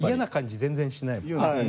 全然しないもん。